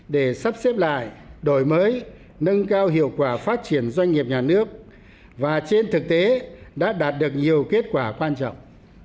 để sắp xếp lại đổi mới nâng cao hiệu quả phát triển doanh nghiệp nhà nước và trên thực tế đã đạt được nhiều kết quả quan trọng